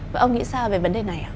và ông nghĩ sao về vấn đề này